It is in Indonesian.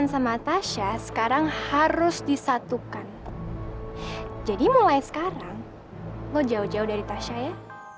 sampai sekarang lo jauh jauh dari tasya ya